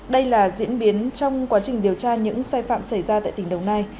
đây là diễn biến trong quá trình điều tra những sai phạm xảy ra tại tỉnh đồng nai